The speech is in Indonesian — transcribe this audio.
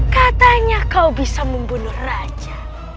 katanya kau bisa membunuh raja